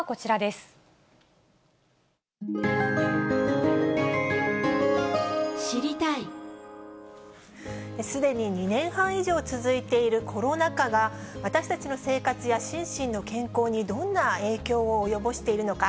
すでに２年半以上続いているコロナ禍が、私たちの生活や心身の健康にどんな影響を及ぼしているのか。